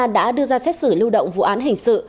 đã đưa ra xét xử lưu động vụ án hình sự